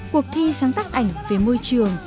cuộc thi sáng tác ảnh về môi trường